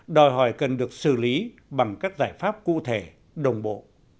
đòi hỏi cần được xử lý bằng các giải pháp cụ thể đồng bộ